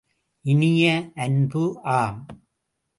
இனிய அன்பு, ஆம்!